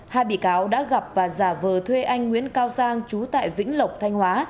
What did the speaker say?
hai bị cáo đã gặp và giả vờ thuê anh nguyễn cao giang chú tại vĩnh lộc thanh hóa